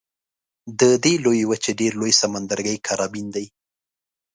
د دې لویې وچې ډېر لوی سمندرګی کارابین دی.